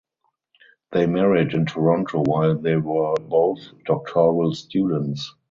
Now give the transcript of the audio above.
They married in Toronto while they were both doctoral students.